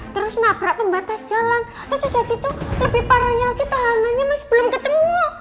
terus nabrak pembatas jalan terus ada gitu lebih parahnya lagi tahanannya mas belum ketemu